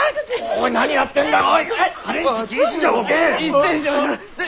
おい何やってんだ？